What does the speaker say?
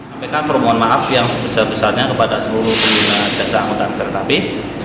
sampaikan permohon maaf yang sebesar besarnya kepada seluruh pengguna jasa angkutan kereta api